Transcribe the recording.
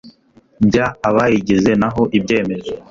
by abayigize naho ibyemezo